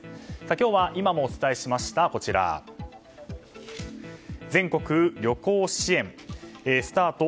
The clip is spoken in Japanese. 今日は今もお伝えしました全国旅行支援スタート